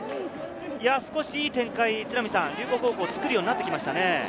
少しいい展開を龍谷高校、作るようになってきましたね。